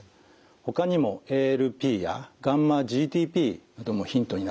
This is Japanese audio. ほかにもＡＬＰやγ−ＧＴＰなどもヒントになります。